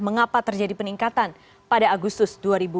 mengapa terjadi peningkatan pada agustus dua ribu dua puluh